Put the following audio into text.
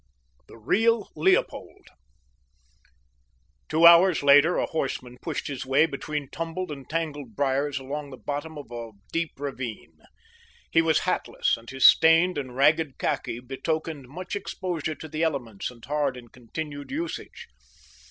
VII. THE REAL LEOPOLD Two hours later a horseman pushed his way between tumbled and tangled briers along the bottom of a deep ravine. He was hatless, and his stained and ragged khaki betokened much exposure to the elements and hard and continued usage.